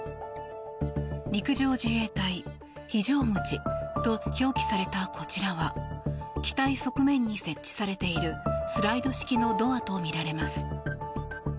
「陸上自衛隊」、「非常口」と表記されたこちらは機体側面に設置されているスライド式のドアとみられます。